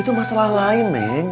itu masalah lain men